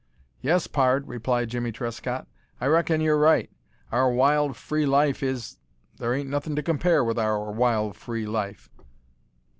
"Yes, pard," replied Jimmie Trescott, "I reckon you're right. Our wild, free life is there ain't nothin' to compare with our wild, free life."